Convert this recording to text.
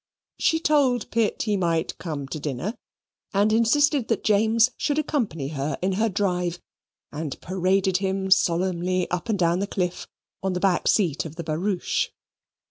She told Pitt he might come to dinner, and insisted that James should accompany her in her drive, and paraded him solemnly up and down the cliff, on the back seat of the barouche.